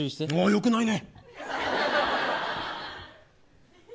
良くないね。